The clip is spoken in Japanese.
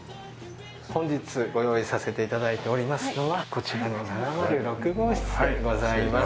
本日ご用意させていただいておりますのはこちらの７０６号室でございます。